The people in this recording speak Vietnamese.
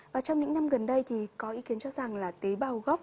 và trong những năm gần đây thì có ý kiến cho rằng là tế bào gốc